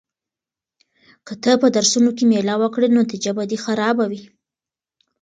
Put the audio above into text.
که ته په درسونو کې مېله وکړې نو نتیجه به دې خرابه وي.